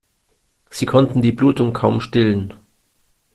Sie konnten die Blutung kaum stillen.